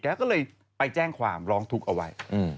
ก็เลยไปแจ้งความร้องทุกข์เอาไว้